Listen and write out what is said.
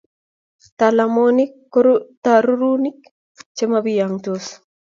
talamook ko torurunik chemobiyongsot